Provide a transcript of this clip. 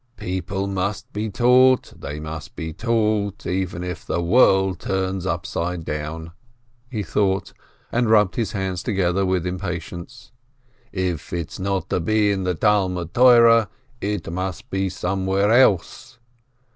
"People must be taught, they must be taught, even if the world turn upside down." he thought, and rubbed his hands together with impatience. "If it's not to be in the Talmud Torah, it must be somewhere else!"